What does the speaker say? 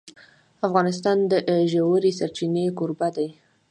افغانستان د ژورې سرچینې کوربه دی.